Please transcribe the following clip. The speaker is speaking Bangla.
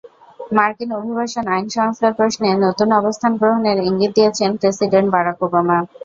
মার্কিন অভিবাসন আইন সংস্কার প্রশ্নে নতুন অবস্থান গ্রহণের ইঙ্গিত দিয়েছেন প্রেসিডেন্ট বারাক ওবামা।